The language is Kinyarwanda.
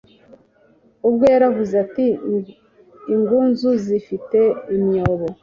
ubwe yaravuze ati ingunzu zifite inyobo